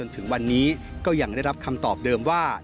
ถึงวันนี้ก็ยังได้รับคำตอบเดิมว่า